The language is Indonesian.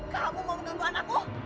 kamu mau mengganggu anakku